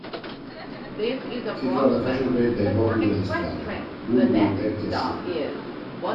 Si trova facilmente ai bordi delle strade, lungo i muretti a secco.